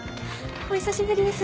お久しぶりです。